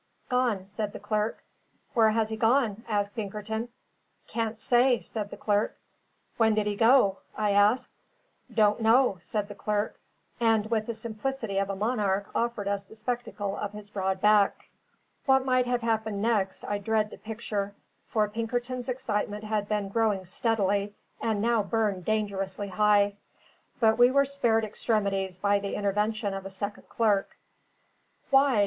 "Gone," said the clerk. "Where has he gone?" asked Pinkerton. "Cain't say," said the clerk. "When did he go?" I asked. "Don't know," said the clerk, and with the simplicity of a monarch offered us the spectacle of his broad back. What might have happened next I dread to picture, for Pinkerton's excitement had been growing steadily, and now burned dangerously high; but we were spared extremities by the intervention of a second clerk. "Why!